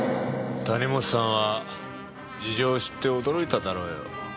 谷本さんは事情を知って驚いただろうよ。